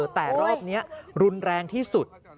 แต่รอบนี้รุนแรงที่สุด